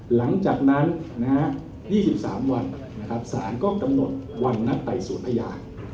หลังจากนั้น๒๓วันสารก็กำหนดวันนัดไต่สวนพยาน